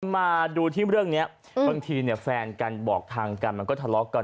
มาดูที่เรื่องนี้บางทีเนี่ยแฟนกันบอกทางกันมันก็ทะเลาะกัน